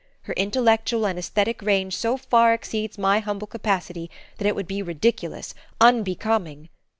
Her intellectual and aesthetic range so far exceeds my humble capacity that it would be ridiculous, unbecoming...."